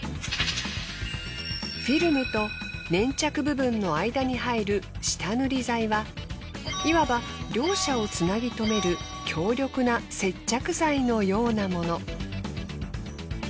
フィルムと粘着部分の間に入る下塗り剤はいわば両者をつなぎとめる強力な接着剤のようなもの。